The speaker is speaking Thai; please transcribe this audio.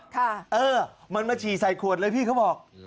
เออมันมาฉี่ใส่ขวดเลยพี่เขาบอก